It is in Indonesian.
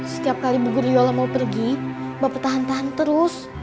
setiap kali bu guriolah mau pergi bapak tahan tahan terus